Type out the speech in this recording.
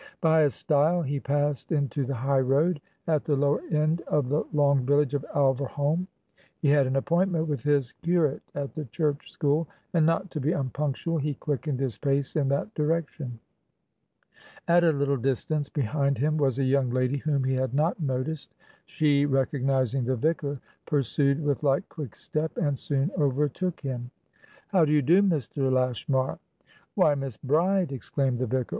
By a stile he passed into the highroad, at the lower end of the long village of Alverholme. He had an appointment with his curate at the church school, and, not to be unpunctual, he quickened his pace in that direction. At a little distance behind him was a young lady whom he had not noticed; she, recognizing the vicar, pursued with light, quick step, and soon overtook him. "How do you do, Mr. Lashmar!" "WhyMiss Bride!" exclaimed the vicar.